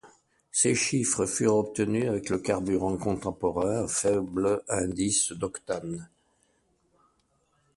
Ces chiffres furent obtenus avec le carburant contemporain à faible indice d'octane.